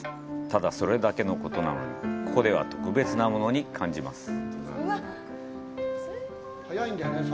ただそれだけのことなのに、ここでは特別なものに感じます。